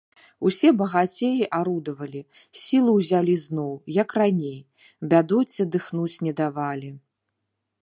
Усё багацеі арудавалі, сілу ўзялі зноў, як раней, бядоце дыхнуць не давалі.